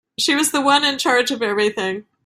She was the one in charge of everything.